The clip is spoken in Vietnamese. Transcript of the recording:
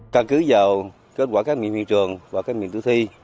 căn cứ vào kết quả các nguyện huyện trường và các nguyện tử thi